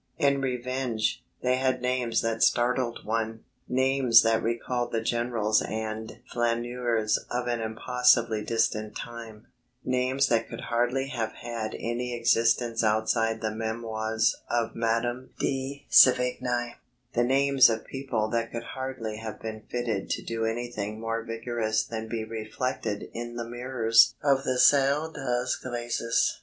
In revenge, they had names that startled one, names that recalled the generals and flaneurs of an impossibly distant time; names that could hardly have had any existence outside the memoirs of Madame de Sévigné, the names of people that could hardly have been fitted to do anything more vigorous than be reflected in the mirrors of the Salle des Glaces.